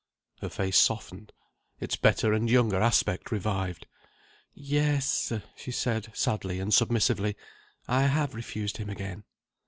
Her face softened; its better and younger aspect revived. "Yes," she said, sadly and submissively; "I have refused him again."